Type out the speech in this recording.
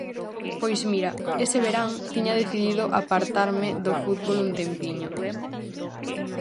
Pois mira, ese verán tiña decidido apartarme do fútbol un tempiño.